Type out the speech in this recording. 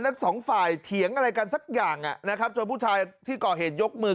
ทั้งสองฝ่ายเถียงอะไรกันสักอย่างนะครับจนผู้ชายที่ก่อเหตุยกมือ